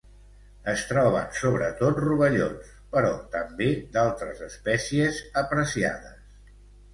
Es troben sobretot rovellons, però també d'altres espècies apreciades.